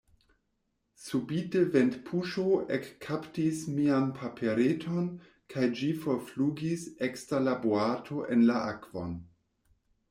Subite ventpuŝo ekkaptis mian papereton kaj ĝi forflugis ekster la boato en la akvon.